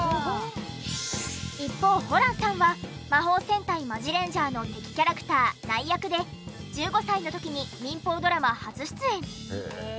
一方ホランさんは『魔法戦隊マジレンジャー』の敵キャラクターナイ役で１５歳の時に民放ドラマ初出演。